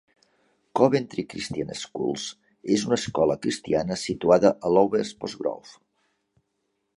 Coventry Christian Schools és una escola cristiana situada a Lower Pottsgrove.